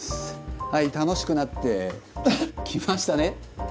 はい楽しくなってきましたね。